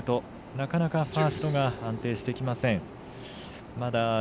なかなかファーストが安定してきません。